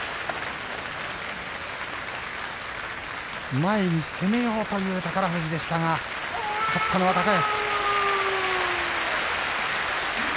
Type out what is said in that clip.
前に攻めようという宝富士でしたが勝ったのは高安。